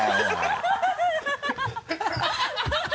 ハハハ